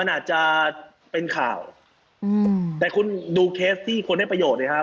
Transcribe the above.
อาจจะเป็นข่าวแต่คุณดูเคสที่คนได้ประโยชน์เลยครับ